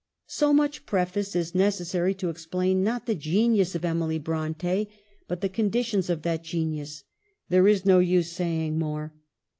So much preface is necessary to explain, not the genius of Emily Bronte, but the conditions of that genius — there is no use saying more.